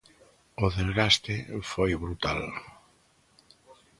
O desgaste foi brutal.